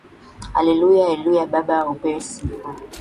Hallelujah hallelujah baba upewe sifa.